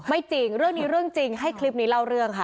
จริงเรื่องนี้เรื่องจริงให้คลิปนี้เล่าเรื่องค่ะ